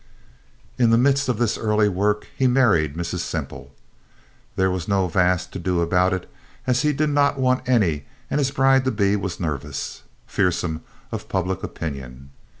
In the midst of this early work he married Mrs. Semple. There was no vast to do about it, as he did not want any and his bride to be was nervous, fearsome of public opinion.